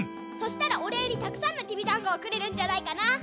そしたらおれいにたくさんのきびだんごをくれるんじゃないかな？